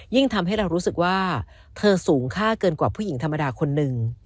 ทำให้เรารู้สึกว่าเธอสูงค่าเกินกว่าผู้หญิงธรรมดาคนหนึ่ง